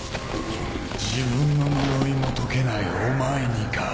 自分の呪いも解けないお前にか。